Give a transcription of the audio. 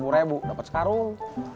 tujuh ratus lima puluh ribu dapet sekarung